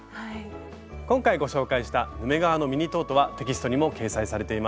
今回ご紹介した「ヌメ革のミニトート」はテキストにも掲載されています。